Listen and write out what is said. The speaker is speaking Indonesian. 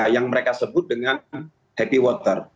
yang mereka sebut dengan happy water